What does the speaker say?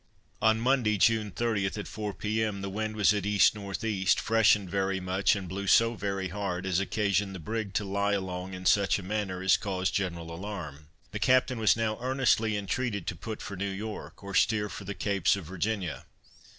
On Monday, June 30, at four P. M. the wind was at E. N. E. freshened very much, and blew so very hard, as occasioned the brig to lie along in such a manner as caused general alarm. The captain was now earnestly intreated to put for New York, or steer for the Capes of Virginia.